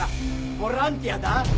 ボランティア。